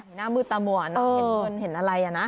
หน้ามืดตามัวเนอะเห็นเงินเห็นอะไรอ่ะนะ